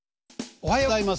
おはようございます。